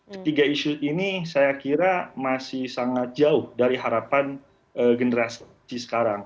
ketiga isu ini saya kira masih sangat jauh dari harapan generasi sekarang